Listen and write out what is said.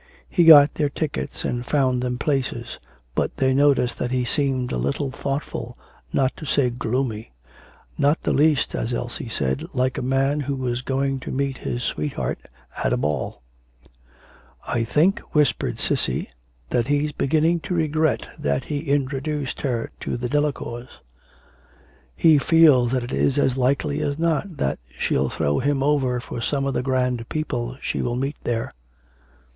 He got their tickets and found them places, but they noticed that he seemed a little thoughtful, not to say gloomy. Not the least,' as Elsie said, 'like a man who was going to meet his sweetheart at a ball.' 'I think,' whispered Cissy, 'that he's beginning to regret that he introduced her to the Delacours. He feels that it is as likely as not that she'll throw him over for some of the grand people she will meet there.'